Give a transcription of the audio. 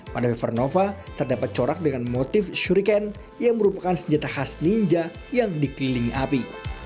pada wevernova terdapat corak dengan motif syuriken yang merupakan senjata khas ninja yang dikelilingi api